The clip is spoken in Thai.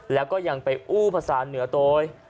แล้วก็ยังไปอู้ภาษาเหนือโดย